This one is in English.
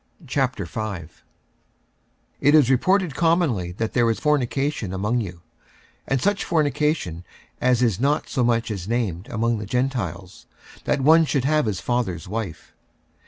46:005:001 It is reported commonly that there is fornication among you, and such fornication as is not so much as named among the Gentiles, that one should have his father's wife.